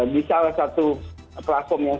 di salah satu platform yang